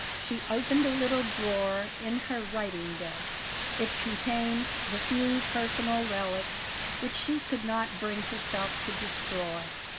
She opened a little drawer in her writing desk. It contained the few personal relics which she could not bring herself to destroy.